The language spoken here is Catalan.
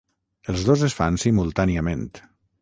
Els dos es fan simultàniament.